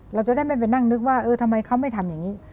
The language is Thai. เราจะได้ไม่ไปนั่งนึกว่าเออทำไมเขาไม่ทำอย่างนี้